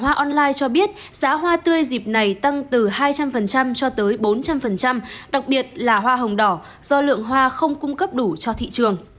năm nay lượng khách đặt hoa truyền thống đã tăng từ hai trăm linh cho tới bốn trăm linh đặc biệt là hoa hồng đỏ do lượng hoa không cung cấp đủ cho thị trường